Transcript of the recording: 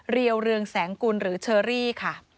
เรียวเรืองแสงกุลหรือเชอรี่ค่ะ